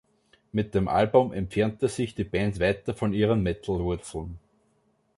Mit dem Album entfernte sich die Band weiter von ihren Metal-Wurzeln.